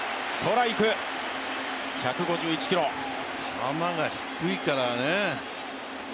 球が低いからね。